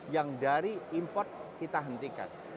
yang dari import kita hentikan